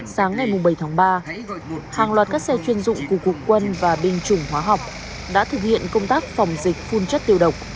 sáng ngày bảy tháng ba hàng loạt các xe chuyên dụng của cuộc quân và binh chủng hóa học đã thực hiện công tác phòng dịch phun chất tiêu độc